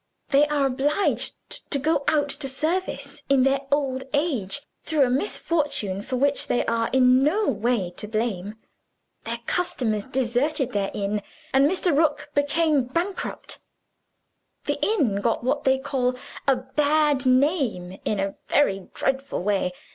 "They are obliged to go out to service in their old age, through a misfortune for which they are in no way to blame. Their customers deserted the inn, and Mr. Rook became bankrupt. The inn got what they call a bad name in a very dreadful way.